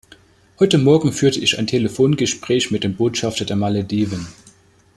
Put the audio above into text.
Heute Morgen führte ich ein Telefongespräch mit dem Botschafter der Malediven.